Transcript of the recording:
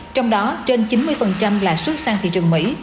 trong đó trên chín mươi là xuất sang thị trường mỹ